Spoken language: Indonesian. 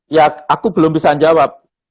ya aku belum bisa menjawab